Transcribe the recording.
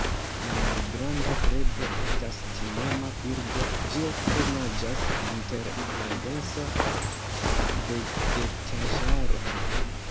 La Malgranda grebo estas timema birdo, ĝi ofte naĝas inter la densa vegetaĵaro.